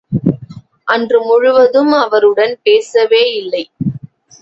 அன்று முழுவதும் அவருடன் பேசவேயில்லை.